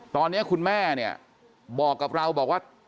ตอนนี้คุณแม่บอกกับเราว่า